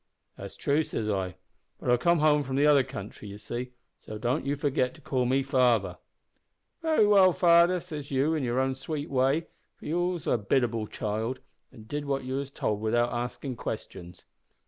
"`That's true,' says I, `but I've come home from the other country, you see, so don't you forget to call me father.' "`Vewy well, fadder,' says you, in your own sweet way, for you was always a biddable child, an' did what you was told without axin' questions.